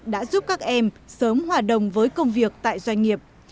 đã giúp các em sớm hòa đồng với công việc tại doanh nghiệp